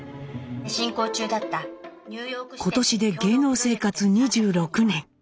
今年で芸能生活２６年。